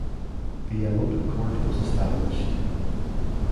The Yamato court was established.